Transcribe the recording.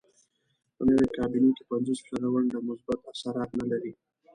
په نوې کابینې کې پنځوس فیصده ونډه مثبت اثرات نه لري.